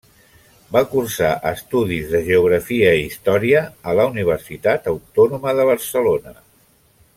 Va cursar estudis de Geografia i Història a la Universitat Autònoma de Barcelona.